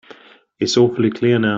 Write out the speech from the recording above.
It's awfully clear now.